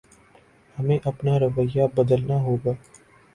ہمیں اپنا رویہ بدلنا ہوگا